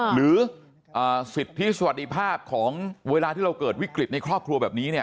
หรือสิทธิสวัสดิภาพของเวลาที่เราเกิดวิกฤตในครอบครัวแบบนี้เนี่ย